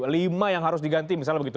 lima yang harus diganti misalnya begitu